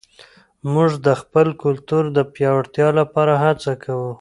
موږ د خپل کلتور د پیاوړتیا لپاره هڅه کوو.